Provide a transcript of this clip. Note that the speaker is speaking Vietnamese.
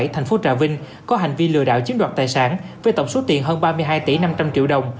thành phố trà vinh có hành vi lừa đảo chiếm đoạt tài sản với tổng số tiền hơn ba mươi hai tỷ năm trăm linh triệu đồng